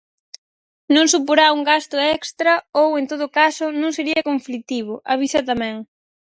"Non suporá un gasto extra ou, en todo caso, non sería conflitivo", avisa tamén.